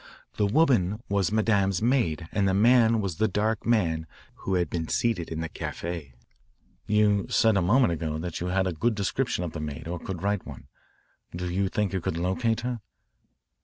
The woman was Madame's maid and the man was the dark man who had been seated in the caf=82." "You said a moment ago that you had a good description of the maid or could write one. Do you think you could locate her?"